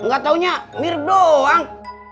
gak taunya mirip doang